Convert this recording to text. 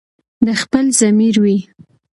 د خپل ضمیر وي